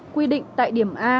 quy định tại điểm a